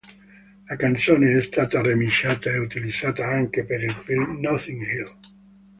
La canzone è stata remixata e utilizzata anche per il film Notting Hill.